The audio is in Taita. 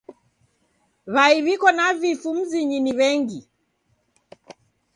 W'ai w'iko na vifu mzinyi ni w'engi.